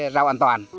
rau an toàn